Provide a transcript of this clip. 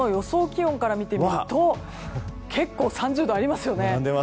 気温から見てみると結構３０度がありますよね。